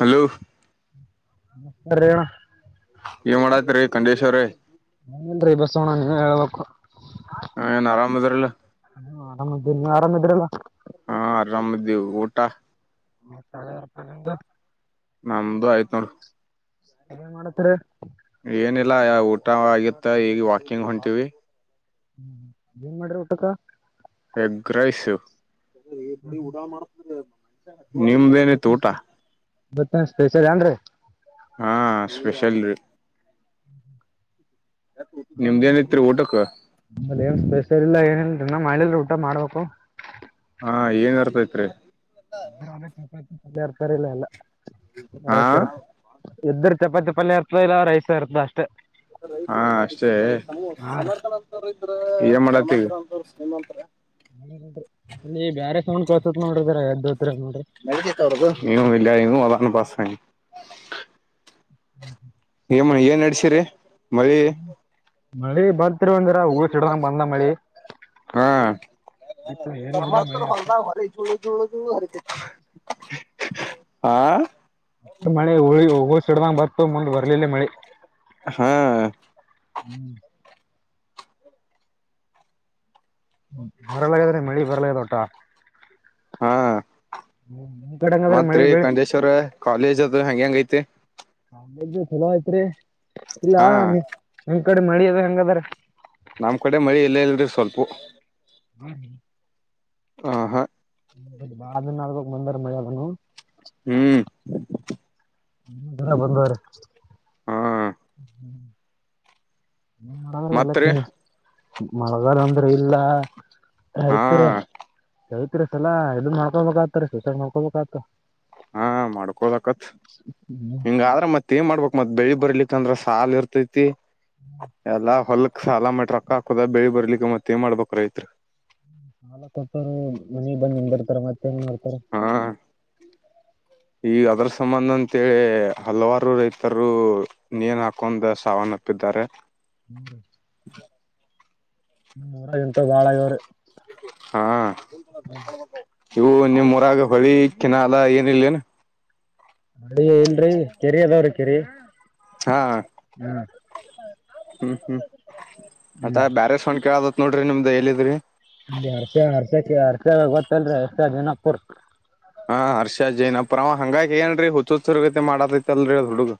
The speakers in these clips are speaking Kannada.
ಹಲೋ ನಮಸ್ಕಾರ ರೇಣ ಏನ್ ಮಾಡಾತ್ರಿ ಖಂಡೇಸಿ ಅವ್ರೆ ಹ್ಮ್ ನ್ರಿ ಬಸ್ಸು ಅಣ್ಣ ನೀವಹೇಳ್ಬೇಕು. ಎನ್ ಆರಾಮ ಅದಿರಲ್ಲ. ಆರಾಮಿದ್ದೀರಿ ನೀವ್ ಆರಾಮಿದ್ದೀರಲ್ಲ ಹಾ ಅರಾಮದೀವ ಊಟ ಮ ತಳೆರಪ [unintelligible] ನಮ್ದು ಆಯ್ತು ನೋಡು. ಎನ್ ಮಾಡತ್ತೀರಿ? ಏನಿಲ್ಲ ಊಟ ಆಗಿತ್ತ ಈಗ ವಾಕಿಂಗ್ ಹೊಂಟೀವಿ. ಏನ್ ಮಾಡ್ರಾ ಊಟಕ್ಕಾ? ಎಗ್ಗರೈಸ್ [unintelligible] ನಿಮ್ದೇನಿತ ಊಟ? ಬರ್ತಡೇ ಸ್ಪೆಷಲ್ ಏನ್ ರಿ. ಹಾ ಸ್ಪೆಷಲ್ ರೀ. ಹ್ಮ್ [inaudible] ನಿಮ್ದೇನ ಇತ್ರಿ ಊಟಕ್ಕಾ? ನಂಬಲ್ಲಿ ಏನ್ ಸ್ಪೆಷಲ್ ಇಲ್ಲ ಏನಿಲ್ರಿಇನ್ನಾ ಮಾಡಿಲ್ರಿ ಊಟ ಮಾಡ್ಬೇಕು. ಹಾ ಏನ್ ನಡದೈತ್ರಿ. ಪಲ್ಯ ಇರ್ತಾರಲ್ಲ ಎಲ್ಲ ಹಾ ರೈತಿ ಇರ್ತ [unintelligible] [inaudible] ಇದ್ದರ ಚಪಾತಿ ಪಲ್ಯ ಇರ್ತದ ಇಲ್ಲ ರೈಸ ಇರ್ತದ ಅಷ್ಟೇ. ಹಾ ಅಷ್ಟೇ ಹಾ ರೀ ಏನ್ ಮಾಡತೀವಿ? ಎಯ್ ಬ್ಯಾರೆ ಸೌಂಡ್ ಕೇಳ್ಸತದ ನೋಡ್ರಿಜರಾಎದ್ದ ಹೊತ್ರೇನ್ ನೋಡ್ರಿ. ನೀವು ಇಲ್ಲ ಅ ಪಾಸಿ [unintelligible] [inaudible] ಹ್ಞೂ ಹ [inaudible] ಏಯಮ್ಮ ಏನ್ ನಡಿಸಿರಿ ಮಳಿ? ಮಳೆ ಬ [unintelligible] ಂದಿರ [unintelligible] ಹೂ ಸಿಡದಂಗ ಬಂದ ಮಳಿ ಹಾ ಏನ ಮಿ ಅ [inaudible] ಆಾ [unintelligible] ಮಳಿಹುಗಳ್ ಹುಗಳ ಸಿಡ್ದಂಗಬರ್ತ ಮುಂದ್ ಬರ್ಲಿಲ್ಲೇ ಮಳಿ. ಹಾ ಹ್ಮ್ [inaudible] ಬರಲಾಗದ್ರಿ ಮಳಿ ಬರಲಾಗದ ಒಟ್ಟಾ. ಹಾ ಹ್ಮ್ ನಿಮ್ಮ ಕಡೆಂಗಾದ್ರಿ ಮಳಿ ಬೆಳಿ. - ಸರ್ ಕಾಲೇಜ್ ಅದು ಹಂಗೆಂಗೈತಿ. ಹು [unintelligible] ಚಲೋ ಆಯ್ತ್ರಿ ಇಲ್ಲ ಹಾ ನಿಮ್ಮ ಕಡೆ ಮಳಿ ಅದ ಹೆಂಗಾದ್ರಿ. ನಮ್ಮ್ ಕಡೆ ಮಳಿ ಇಲ್ಲೆ ಇಲ್ರಿ ಸ್ವಲ್ಪು. ಹ [inaudible] ಆ ಹಾ [unintelligible] ಬಾಳ ದಿನಾ ಆದ್ಮೇಲೆ ಬಂದಾದ ಮಳಿ ಅದುನು. ಹ್ಮ್ ಇಲ್ಲಾ ಬಂದಾದರಿ. ಹಾ ಮಳಗಾಲ ಮತ್ರಿ ಎಲ್ಲ [unintelligible] ಕ ಮಳೆಗಾಲ ಅಂದ್ರೆ ಇಲ್ಲ ಹಾ ರೈತರು, ರೈತರು ಈಸಲಾ ಇದ್ ಮಾಡ್ಕೊಬೇಕಾತದ್ರಿ ಸೂಸೈಡಮಾಡ್ಕೊಬೇಕ ಆತದ್ರಿ. ಹ್ಮ್, ಮಾಡ್ಕೋಬೇಕಾಗತ್ ಹಿಂಗಾದ್ರ ಮತ್ತೆ- ಏನ್ ಮಾಡ್ಬೇಕ್ ಮತ್ತ ಬೆಳಿ ಬರ್ಲಿಕ್ಕಂದ್ರೆ ಸಾಲ ಇರ್ತೈತಿ. ಎಲ್ಲಾ ಹೊಲ್ಕ್ ಸಾಲ ಮಾಡಿರೊಕ್ಕ ಹಾಕದುಬೆಳಿ ಬರ್ಲಿಕ್ಕೆ ಮತ್ತೇನ್ ಮಾಡ್ಬೇಕ ರೈತ್ರ. ನಾಲ ತತಾ [unintelligible] ರ ಮನೆಗ್ ಬಂದ್ ನಿಂದರ್ತಾರ ಮತ್ತ ಏನ್ ಮಾಡ್ತಾರ. ಹಾ ಈಗ ಅದರ ಸಂಬಂಧ ಅಂತೇಳಿ ಹಲವಾರು ರೈತರು ನೇನ್ ಹಾಕೊಂಡ್ ಸಾವನ್ನಪ್ಪಿದ್ದಾರೆ. ಹ್ಮ್ ರ ನೂರಾ ಐವತ್ ಹಾ ಇವು ನಿಮ್ಮ ಊರಾಗ ಹೊಳಿ ಕೆನಾಲ್ ಏನ ಇಲ್ಲೇನ್ ಅ ಇಲ್ರರಿ ಕೆರಿ ಅದಾವ್ರೀ ಕೆರಿ. ಹಾ ಹ್ಮ್ ಹುಂ ಹುಂ ಹ್ಮ್ ಅತ್ತಾ ಬ್ಯಾರೆ ಸೌಂಡ ಕೇಳಾತೈತಿ ನೋಡ್ರಿ ನಿಮ್ದ್ ಎಲ್ಲಿದ್ದೀರಿ ಅಲ್ಲಿ ಹರ್ಷ ಹರ್ಷಕ ಹರ್ಷ ಗೋತ್ತಲ್ರಿ ಹರ್ಷ ಜೈನಾಪುರ್ ಹಾ ಹರ್ಷಾ ಜೈನಾಪುರ ಅವ ಹಂಗಾಗಿ ಏನ್ರೀ ಹುಚ್ಚ ಹುಚ್ಚರಗತೆ ಮಾಡದೈತ್ ಅಲ್ರಿ ಹುಡುಗ.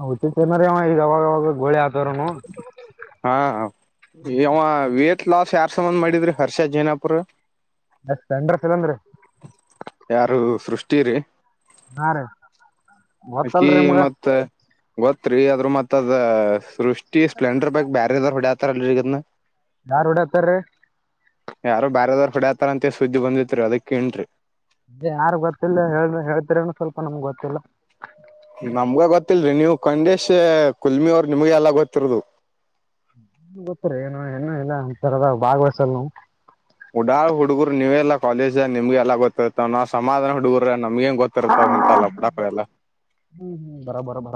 ಅವು ಹುಚ್ಚಿ ಹುಚನಾರ ಅವ ಈಗ ಅವಾಗವಾಗ ಗೋಳಿ ಆತಾರನು ಹಾ ಹಾ ಅವಾ ವೇಟ್ ಲಾಸ್ ಯಾರ್ ಸಂಬಂಧ ಮಾಡಿದ್ರಿ ಹರ್ಷಾ ಜೈನಾಪುರ ಅದು ಪೆಂಡರ್ ಸಂಬಂಧ ರೀ ಯಾರು ಸೃಷ್ಟಿರಿ ಹಾ ರಿ ಅಕಿ ಮತ್ತ ಗೊತ್ತರಿ ಆದ್ರ ಮತ್ ಅದ ಸೃಷ್ಟಿ ಸ್ಪ್ಲೆಂಡರ್ ಬಗ್ ಬೇ ಹೊಡೆ ಕತ್ತರ ಅಲ್ರೀ ಈಗ್ ಯಾರ್ ಹೋಡಾಕತ್ತಾರೀ ಯಾರೋ ಬ್ಯಾರೇದವರ ಹೊಡ್ಯಾತಾರ ಅಂತ ಸುದ್ದಿ ಬಂದಿತ್ರಿ ಅದಕ್ಕೇನ್ರಿ ಯಾರ ಗೊತ್ತಿಲ್ಲಾ ಹೇಳರಿ ಹೇಳ್ತಿರೇನ ಸ್ವಲ್ಪ ನಮ್ಗ್ ಗೊತ್ತಿಲ್ಲಾ ನಮ್ಗ ಗೊತ್ತಿಲ್ರರಿ ನೀವು ಕೋಗಮೆಶ್ ಕುಲ್ಮಿ ಅವರು ನಿಮ್ಗೆ ಎಲ್ಲಾ ಗೊತ್ತಿರೋದು ಗೊತ್ತರಿ ಏನು ಏನು ಅಂತ ರಲ್ಲಂತಾರದ ಬಾಗ್ ವಹಿಸಿಲ್ಲ ನಾವ ಉಡಾಳ ಹುಡುಗರು ನೀವೆಲ್ಲಾ ಕಾಲೇಜ್ ನಿಮ್ಗೆ ಎಲ್ಲಾ ಗೊತ್ತರತಾವ ನಾವ ಸಮಾಧಾನ ಹುಡುಗರು ನಮಗೇನ್ ಗೊತ್ತಿರ್ತಾವ ಇಂತಲ್ಲಾ ಲಪ್ಪಡಾ ಎಲ್ಲಾ ಹುಂ ಹುಂ ಬರಬರ ಬಾ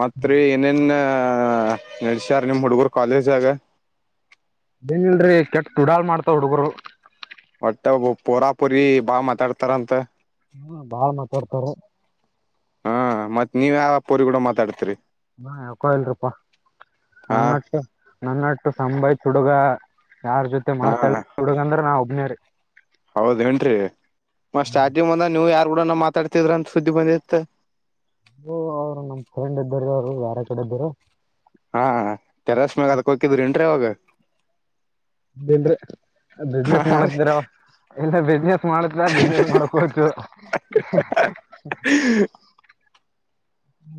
ಮತ್ರಿ ಏನೇನ್ ನಡಸ್ಯಾರ ನಿಮ್ ಹುಡುಗರ್ ಕಾಲೇಜನಾಗ ಇಲ್ರರಿ ಕೆಟ್ಟ ಉಡಾಳ್ ಮಾಡ್ತವ್ ಹುಡುಗರು. ಒಟ್ಟ ಒಬ್ಬ ಪೂರಾ ಪೋರಿ ಬಾಳ ಮಾತಾಡ್ತಾರಂತ. ಹ್ ಬಾಳ್ ಮಾತಾಡ್ತಾರ ಹ ಮತ್ ನೀವ ಯಾವ ಪೋರಿ ಗುಡ ಮಾತಾಡ್ತಿರಿ ಹಾ ಯಾಕೋ ಇಲ್ರಪ್ಪಾ ಹಾ ನನ್ನಟ್ಟ ನನ್ನಟ್ಟ ಸಂಭಾಯ್ತ ಹುಡುಗಾ ಯಾರ್ ಜೊತೆ ಹಾ ಮಾತಾಡ ಹುಡುಗ ಅಂದ್ರ ನಾ ಒಬ್ಬನೇ ರೀ ಹೌದ ಏನ್ರೀ ಮತ್ ಸ್ಟಾರಜಿಂಗ ಬಂದಾಗ ನೀವು ಯಾರ್ ಕೂಡನ ಮಾತಾಡ್ತಿದ್ರ ಅಂತ ಸುದ್ದಿ ಬಂದಿತ್ತ ಓ ಅವ್ರು ನಮ್ ಫ್ರೆಂಡ್ ಇದ್ದರು ಅವ್ರು ಯಾರ ಕಡೆ ಇದ್ದರು ಹಾ ಟೆರೆಸ್ ಮ್ಯಾಗ್ ಅದಕ್ ಹೋಗಿದ್ರಿ ಎನ್ರೀ ಅವಾಗ ಊಟ ರೀ ಬಿಸ್ನೆಸ್ ಮಾಡತರ ಇಲ್ಲ ಬಿಸ್ನೆಸ್ ಮಾಡತ್ ಬಿಸ್ನೆಸ್ ಮಾಡಕ್ತು [inaudible] ಹ್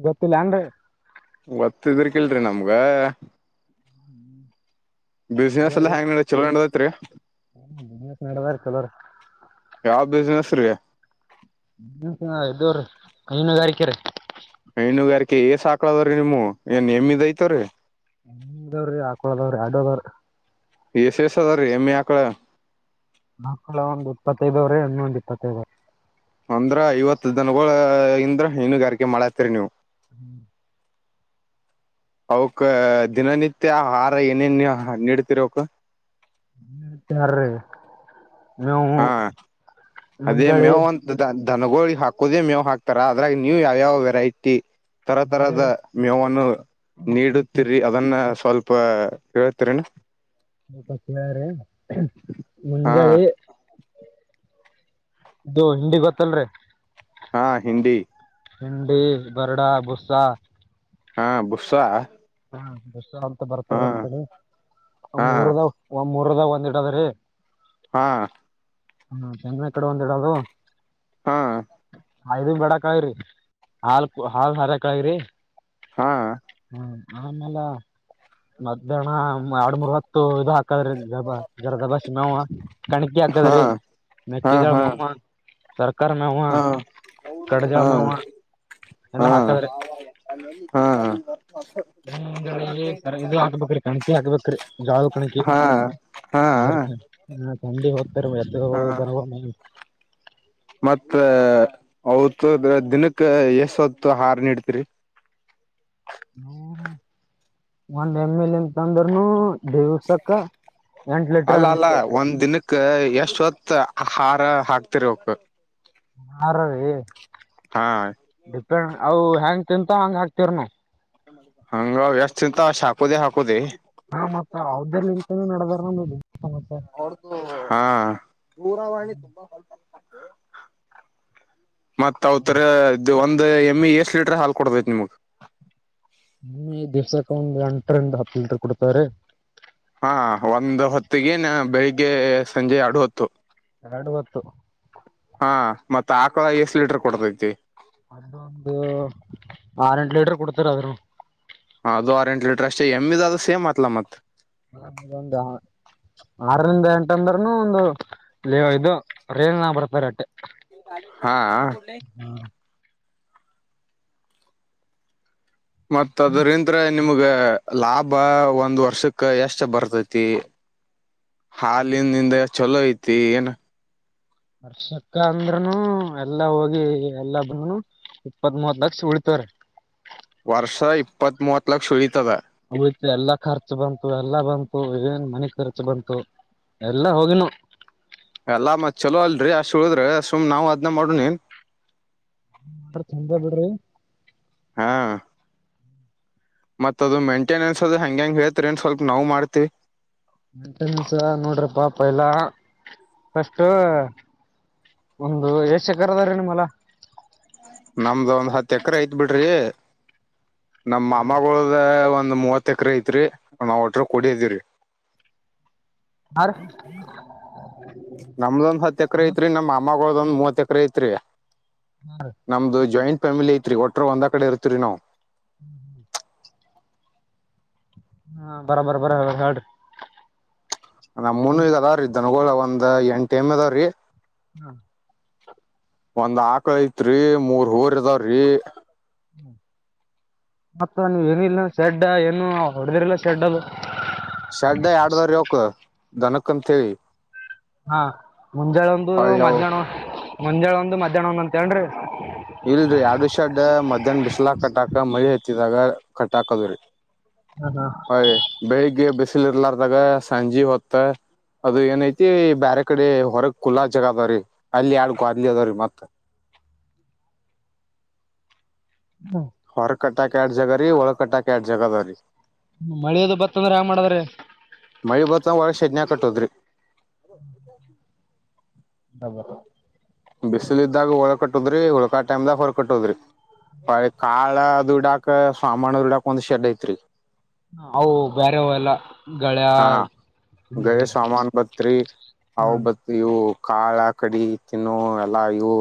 ಗೊತ್ತಿಲ್ಲಾ ಅಂದೆ ಒತ್ತ ಇದ್ರಕಲ್ರಿ ನಮಗ ಹ್ಮ್ ಬಿಸ್ನೆಸ್ ಎಲಾ ಹೆಂಗ ನಡೈತ ಚಲೋ ನಡದೈತ್ರಿ ಹ್ ನಡ್ದಾರಿ ಚಲೋ ರಿ ಯಾವ ಬಿಸ್ನೆಸ್ ರೀ ನೀನ್ ಇದ್ದವ್ರೀ ಹೈನುಗಾರಕೆ ರಿ. ಹೈನುಗಾರಿಕೆ ಏಸಾಕ್ಳದ್ರೀ ನಿಮ ಏನ್ ಎಮ್ಮಿದ್ ಐತವ ರೀ. ಹದಾವ್ರೀ ಹಾಕೊದಾವ್ರಿ ಆಡೋದಾವ್ರಿ. ಎಸ್ ಎಸ ಅದ ರೀ ಎಮ್ಮಿ ಆಕಳ. ಆಕ್ಕಳ ಒಂದು ಇಪ್ಪತ್ತೈದವ್ರೆ ಎಮ್ಮಿ ಒಂದು ಇಪ್ಪತ್ತೈದು ರಿ. ಅಂದ್ರ ಐವತ್ತು ದಿನಗಳ ಇಂದ್ರ ಹೈನುಗಾರಿಕೆ ಮಳತಿರಿ ನೀವು. [inaudible] ಅವಕ್ ದಿನನಿತ್ಯ ಆಹಾರ ಏನೇನ್ ನೀಡ್ತಿರ ಅವಕ್. [unintelligible] ಹಾ ಅದೇ ಮುಂಜಾಳಿ ಮೇವ್ ಅಂತ ದ ದನಗೋಳ ಹಾಕೋದೇ ಮೇವ್ ಹಾಕ್ ಅದ್ರಾಗ ನೀವು ಯಾವವ ವೆರೈಟಿ. ತರ ತರದ ಮುಂಜಾಳಿ ಮೇವನ್ನು ನೀಡುತ್ತಿರಿ. ಅದನ್ನ ಸ್ವಲ್ಪ ಹೇಳ್ತಿರೇನು. ನಪ್ಪತ್ತೇಳ್ರ ಹಾ ಮುಂಜಲಿ. ಇದು ಹಿಂದಿ ಗೊತ್ತಲ್ರರಿ. ಹಾಂ ಹಿಂದಿ. ಭಿಂಡಿ ಬರ್ಡಾ ಬುಸ್ಸಾ. ಹಾ ಬುಸಾ ಆ. ಹಾ ದಸ ಅಂತ ಬರ್ತಾರ ನಮ್ ಕಡೆ ಹಾ ಮೂರ್ದಾಗ ಒಂದ್ ಮೂರ್ದಾಗ ಒಂದ್ಡದ್ರೀ. ಹಾ. ಹ್ಮ ಚಂದ ಕಡೆ ಒಂದಿಡದು. ಹಾ. ಹದು ಬೇಡಕ್ ಆಗ್ರಿ ಹಾಲ್ ಹಾಲ್ ಹರಕ್ಳಗ್ರಿ. ಹಾ. ಹ್ಮ ಆಮೇಲೆ ಮಧ್ಯಾಹ್ನ ಎರಡ್ ಮೂರ್ ಹತ್ತು ಇದಾ. ಹಾಕದ್ರಿ ಜ ಜರದ ಬಸ್ ಮಾವ ಕಣಕಿ ಹಾಕದ್ರಿ ಹಾ ಹಾ ಮೆಕ್ಕೆ ಜೋಳ ಹಾ ಮಾವ. ಸರ್ಕಾರಿ ನವ ಹಾ ಕಡ್ಜಾ ಹಾ ಮಾವ ಎಲ್ಲಾ ಹಾಕಾದ್ರೆ. ಹಾ. ಇ ಹಾಕ್ಬೇಕ್ರಿ ಕಣಕಿ ಹಾಕ್ಬೇಕ್ರಿ ಜಾಳದ ಕಣಕಿ. ಹಾ ಹಾ ಹಾ [unintelligible] ಮತ್ತ ಅವತ್ ದಿನಕ್ಕೆ ಎಸ್ ಹೊತ್ತು ಆಹಾರ ನೀಡ್ತಿರಿ. ಹ ಒಂದ್ ಎಮ ಎಲ್ ಅಂತಂತಂದ್ರನು. ದಿವ್ಸಕ್ಕ ಎಂಟ ಲೀಟರ್ ಅಂತೆ. ಎಷ್ಟ್ ಹೊತ್ ಹಾರ ಹಾಕ್ತಿರಿ ಅವಕ್. ಆಹಾರ ರೀ. ಹಾ. ಡಿಪೆಂಡ್ ಅವು ಹೆಂಗ್ ತಿಂತ ಹಂಗಗೆ ಹಾಕ್ತಿರ್ನುವು. ಹಂಗ ವ್ಯಸ್ ಅಂತ ಅಷ್ಟ್ ಹಾಕೋದೇ ಹಾಕೋದೆ. ಹಾ ಮತ್ತತ್ ಅವ್ದ್ರಲ್ಲಿ ಇಂತಾನೂ ನಡದಾರ ನೋಡಿ. ಹಾ ದೂರವಾಣಿ ತುಂಬಾ ಹೊ. ಮತ್ ಅವ ತರ ಇ ಒಂದ್ ಎಮ್ ಎಷ್ಟ್ ಲೀಟರ್ ಹಾಲ್ ಕೊಡತೈತ್ ನಿಮಗ್. ಹ ದಿವ್ಸಕ್ಕೆ ಒಂದ್ ಎಂಟರಿಂದ ಹತ್ತು ಲೀಟರ್ ಕೊಡ್ತಾರೆ. ಹಾ ಒಂದು ಹೊತ್ತಿಗೆ ನ ಬೆಳಿಗ್ಗೆ ಸಂಜೆ ಎರಡು ಹೊತ್ತು. ಎರಡು ಗತ್ತು. ಹಾ ಮತ್ತ ಆಕಳ ಎಷ್ಟ ಲೀಟರ್ ಕೊಡ್ತೈತಿ. ಅದ ಒಂದು ಆರ್ ಎಂಟ ಲೀಟರ್ ಕುಡ್ತಾರಿ ಅದರನೂ. ಹ ಅದು ಆರೆಂಟ್ ಲೀಟರ್ ಅಷ್ಟೇ ಎಮ್ಮಿದದು ಸೇಮಾತ್ಲ ಮತ್. ನಮ್ಗೊಂದಾ. ಆರರಿಂದ ಎಂಟ ಅಂದ್ರನು ಒಂದು ಲೆ ಇದು [unintelligible] ರೇಜ ನ ಬರ್ತಾರಿ ಅಟ್ಟೆ. ಹಾ ಹ್ಮ್ ಮತ್ತ ಅದರಿಂತ್ರ ನಿಮ್ಗ ಲಾಭ ಒಂದ್ ವರ್ಷಕ್ಕ ಎಷ್ಟ ಬರ್ತೈತಿ. ಹಾಲಿನಿಂದ ಚಲೋ ಐತಿ ಏನ್. ವರ್ಷಕ್ಕ ಅಂದ್ರನು ಎಲ್ಲಾ ಹೋಗಿ ಎಲ್ಲ ಬನು. ಇಪ್ಪತ್ ಮೂವತ್ ಲಕ್ಷ ಉಳಿತವ್ರಿ. ವರ್ಷ ಇಪ್ಪತ್ ಮೂವತ್ತ ಲಕ್ಷ [unintelligible] ತವೆ. ಉಳಿತ್ ಎಲ್ಲಾ ಖರ್ಚು ಬಂತು ಎಲ್ಲಾ ಬಂತು ಏನ್ ಮನೆ ಖರ್ಚು ಬಂತು ಎಲ್ಲಾ ಹೋಗಿನು. ಎಲ್ಲಾ ಮತ್ ಚಲೋ ಅಲ್ರಿ ಅಷ್ಟ ಉಳದ್ರ ಸುಮ್ ನಾವು ಅದ್ನ ಮಾಡೋನೆನ್. ಹಂಗ ಮಾಡ್ರ ಚಂದೆ ಬಿಡ್ರಿ. ಹಾ ಮತ್ ಅದು ಮೇಂಟೆನೆನ್ಸ್ ಅದು ಹೆಂಗೆಂಗ ಹೇಳ್ತರೆನ್ ಸ್ವಲ್ಪ ನಾವು ಮಾಡ್ತಿವಿ. ಮೆಂಟನೆನ್ಸ ನೋಡ್ರಪ್ಪಾ ಪೈಲಾ ಪೈಸ್ಟ್. ಒಂದು ಎಶೇಕ್ಕರ್ ಅದರಿ ನಿಮ್ಮ ಹೋಲಾ. ನಮ್ದ ಒಂದ್ ಹತ್ ಎಕ್ರೇ ಐತ್ ಬಿಡ್ರಿ ನಮ್ಮ ಮಾಮಗೋಳ. ದ ಒಂದ್ ಮೂವತ್ ಎಕ್ರ ಐತ್ರಿ ನಾವ್ ಒಟ್ರ ಕುಡೆದೀವ್ರೀ. ಹಾ ರೀ [inaudible] ನಮ್ದೊಂದ್ ಹತ್ ಎಕ್ರೆ ಐತ್ರಿ ನಮ್ಮ ಮಾಮಾಗೊಳ್ದ ಒಂದ್ ಮೂವತ್ ಎಕ್ರೇ ಇತ್ರಿ. ಹಾ ರಿ. ನಮ್ದು ಜಾಯಿಂಟ್ ಫ್ಯಾಮಿಲಿ ಐತ್ರಿ ಒಟ್ಟರು ಒಂದ ಕಡೆ ಇರ್ತೀರಿ ನಾವು. ಹ್ಮ್ ಹ್ಮ್ ಹಾ ಬರಾ ಬರ ಬರ ಹೇಳ್ರಿ. ನಮ್ಮೂನು ಈಗ ಅದಾವ್ರೀ ದನಗೋಳ ಒಂದ್ ಎಂಟೆಮ್ಮಿ ಅದಾವ್ರೀ. ಹ್ಮ ಒಂದ್ ಆಕ್ಳ ಐತ್ರಿ ಮೂರ್ ಹೂರ ಅದಾವ್ರಿ. ಹ್ಮ ಮತ್ತ ನೀವ್ ಏನಿಲ್ಲ ಶೆಡ್ ಏನು ಹೊಡೆದಿರ್ಲ್ಲ ಶೆಡ್ಡದು. ಶಡ್ಡ ಯಾಡ್ ಅದವ್ರಿ ಅವುಕ್ ದನಕ್ಕ ಅಂತೇಳಿ. ಹಾ ಮುಂಜಾಳ ಒಂದು ಅಯ್ಯವ್ ಮಧ್ಯಾಣ ಮುಂಜಾಳ ಒಂದು ಮಧ್ಯಾಣ ಒಂದಂತ ಏನ್ರೀ. ಇಲ್ರಿ ಯಾಡು ಷಡ್ ಮಧ್ಯಾಹ್ನ ಬಿಸ್ಲಾಕ್ ಕಟ್ಟಾಕ ಮಳಿ ಹತ್ತಿದಾಗ ಕಟ್ಟಾಕದುರಿ. ಹ ಹಾ ಹಯ ಬೆಳಿಗ್ಗೆ ಬಿಸಿಲ್ ಇರ್ಲಾರದಾಗ ಸಂಜಿ ಹೊತ್ತ. ಅದು ಏನೈತಿ ಬ್ಯಾರೆ ಕಡೆ ಹೊರಗ್ ಕುಲ್ಲಾ ಜಾಗ ಅದಾರಿ ಅಲ್ಲಿ ಯಾಡ್ ಕ್ವಾಲಿ ಅದಾವ್ರೀ ಮತ್. ಹ್ಮ. ಹೊರಗ್ ಕಟ್ಟಾಕ ಯಾಡ್ ಜಗರಿ ಒಳಗ್ ಕಟ್ಟಕ್ ಯಾಡ್ ಜಗದರೀ. ಮಳಿ ಅದು ಬತ್ತಂದ್ರ ಹ್ಯಾಂಗ ಮಾಡದ್ರಿ. ಮಳಿ ಬತ್ತಂದ್ರ ಒಳಗೆ ಶಡ್ನ್ಯಗ್ ಕಟ್ಟೋದ್ರಿ. ಹ್ಮ್ ಹ್ಮ ಹ್ಮ್ ಡಬ ಬಿಸಿಲಿದ್ದಾಗ ಒಳಗ್ ಕಟ್ಟದ್ರಿ ಉಳ್ಕಾ ಟೈಮ್ದಾಗ ಹೊರಗ್ ಕಟ್ಟದ್ರಿ. ಪ ಕಾಳದು ಇಡಾಕ್ ಸಾಮಾನದುಡಾಕ್ ಒಂದ್ ಶೆಡ್ ಐತ್ರಿ. ಅವು ಬೇರೆ ಅವು ಎಲ್ಲ ಗಳ್ಯಾ ಹಾ ಹ್ಮ್ ಗಯ ಸಾಮನ್ ಬತ್ರಿ ಹವು ಹ್ಮ್ ಬ [unintelligible] ಇವು ಕಾಳ ಕಡಿ ತಿನ್ನು ಎಲ್ಲ ಇವು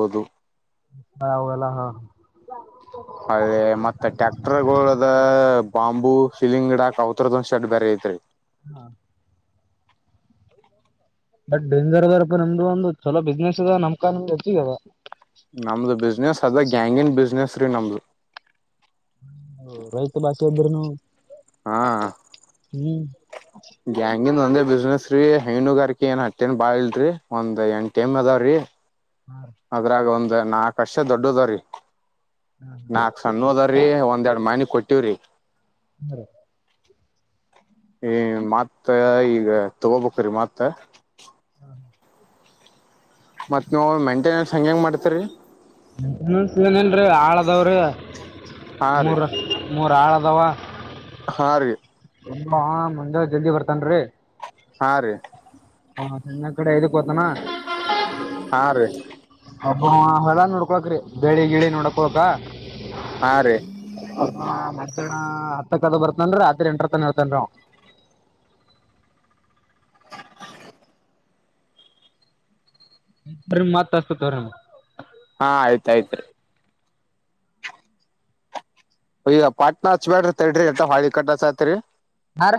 [unintelligible] ಲ್ಲ ಹಾ ಅದೇ ಮತ್ತೆ ಟ್ಯಾಕ್ಟರ್ ಗಳದ ಬಾಂಬು ಹಿಲಿಂಗಡಾಕ್ ಅವತ್ರುದ್ ಒಂದ ಶಟ್ ಬೇರೆ ಐತ್ರಿ ಹಾ ಬಟ್ ಬೇಜರ್ದ ನಮ್ದು ಒಂದು ಚಲೋ ಬಿಸ್ನೆಸ್ ಇದದ ನಮಕಮ್ದು ಹೆಚ್ಚಿಗದ [unintelligible] ನಮ್ದು ಬಿಸ್ನೆಸ್ ಅದ ಗ್ಯಾಂಗನ್ ಬಿಸ್ನೆಸ್ ರೀ ನಮ್ದು ರೈತ ಭಾಷೆ ಅಂದುನು ಹಾ ಹ್ಮ್ ಗ್ಯಾಂಗಂದ ಒಂದೇ ಬಿಸ್ನೆಸ್ ರೀ ಹೈನುಗಾರ್ ಏನ್ ಹತ್ತಏನ್ ಬಾಳ ಇಲ್ರರಿ ಒಂದ್ ಎಂಟ ಟೈಮ್ ಅದಾವ್ರೀ ಅದ್ರಾಗ ಒಂದ್ ನಾಕ್ ಹಸ ದೊಡ್ಡದವ್ರೀ ನಾಕ್ ಸಣ್ಣದ್ರ ರೀ ಒಂದ ಎರಡ್ ಮನೆ ಕೊಟ್ಟಿವವ್ರಿ ಹ್ಮ ರ [inaudible] ಈ ಮಾತ್ತ ಈಗ ತಗೋಬೇಕ್ರೀ ಮಾತ್ತ ಹಾ [inaudible] ಮತ್ತ ನೀವ್ ಮೆಂಟೆನೆನ್ಸ್ ಹಂಗ್ ಹೆಂಗ ಮಾಡ್ತರಿ ಏನ್ [unintelligible] ಆಳದಾವ್ರಿ ಹಾ ರೀ ಮೂರ್ ಮೂರು ಆಳದವಾ ಹಾ ರೀ ಹಾ ಮುಂಜಳ್ ಜಲ್ದಿ ಬರ್ತನ್ ರೀ ಹಾ ರೀ ಹ ಚೆನ್ನ ಕಡೆ ದುಕ್ಕೋತಾನ ಹಾ ರೀ ಅಬ ಹೇಳ ನೋಡ [inaudible] ಹಕ್ರಿ ಬೆಳಿ ಗಿಳಿ ನೋಡಕಕ ಹಾ ರೀ ಮ ಹತ್ತಕ್ಕದ ಬರ್ತನ್ ಆತ್ರಿ ಎಂಟರರ್ತನ ಹೇಳ್ತನ್ ಅವ [unintelligible] [inaudible] ರಿ ಮತ್ ಅಸ್ತತ್ ಅವ್ರೀ [unintelligible] ಹಾ ಆಯ್ತಾಯ್ತ್ ರೀ ಈಗ ಪಾಟ್ನ ಹಚ್ಬೇರ ತಡ್ರಿ ಎಂತ ಹಾ ಕಟ್ಟಸ ಆತ್ರಿ ಹಾ ರೀ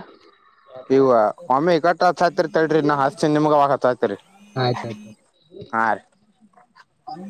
ಇವ ಒಮ್ಮಿ ಈ ಕಟ್ಟತಾಯ್ತರಿ ತದ್ರಿ [unintelligible] ನಾ ಹಸತಿನ ನಿಮಗವಾಗತತರಿ ಆಯ್ತು ಆಯ್ತು ಹಾ ರೀ